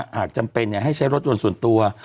หากจำเป็นให้ใช้รถยนต์ส่วนตัว